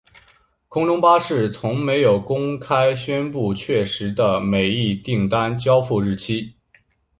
空中巴士从没有公开宣布确实的每一订单交付日期。